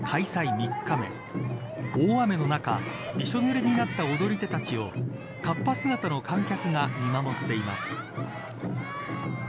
３日目大雨の中、びしょぬれになった踊り手たちをかっぱ姿の観客が見守っています。